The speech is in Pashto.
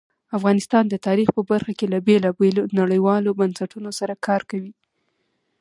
افغانستان د تاریخ په برخه کې له بېلابېلو نړیوالو بنسټونو سره کار کوي.